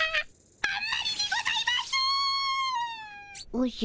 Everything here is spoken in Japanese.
おじゃ？